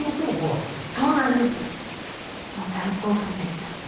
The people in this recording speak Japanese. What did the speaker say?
もう大興奮でした。